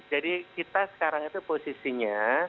jadi kita sekarang itu posisinya